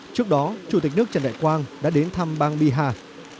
trước đó chủ tịch nước trần đại quang đã đến thăm bang biha